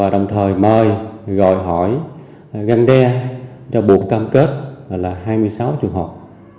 đồng thời mời gọi hỏi gan đe cho buộc cam kết là hai mươi sáu trường hợp